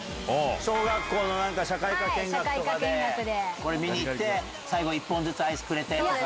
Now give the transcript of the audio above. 小学校の社会科見学とかでこれ見に行って最後１本ずつアイスくれてとか。